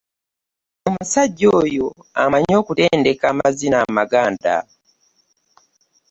Omusajja oyo amanyi okutendeka amazina amaganda.